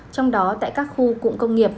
trong đó tại các khu cụng công nghiệp